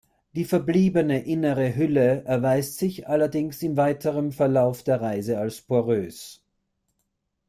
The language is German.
Die verbliebene, innere Hülle erweist sich allerdings im weiterem Verlauf der Reise als porös.